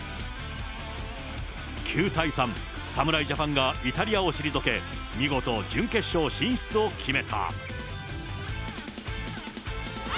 ９対３、侍ジャパンがイタリアを退け、見事、準決勝進出を決めた。